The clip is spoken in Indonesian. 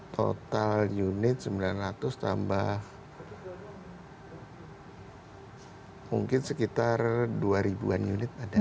total unit sembilan ratus tambah mungkin sekitar dua ribu an unit ada